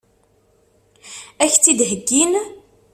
Ad k-tt-id-heggin?